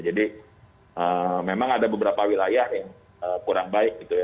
jadi memang ada beberapa wilayah yang kurang baik gitu ya